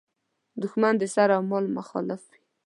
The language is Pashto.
دوښمن د سر او مال مخالف وي.